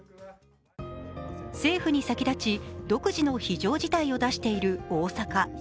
政府に先立ち独自の非常事態を出している大阪。